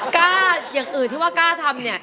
กล้าอย่างอื่นที่ว่ากล้าทำเนี่ย